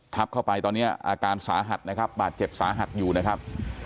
เข้าไปตอนนี้อาการสาหัสนะครับบาดเจ็บสาหัสอยู่นะครับ